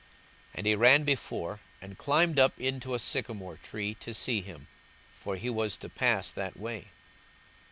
42:019:004 And he ran before, and climbed up into a sycomore tree to see him: for he was to pass that way.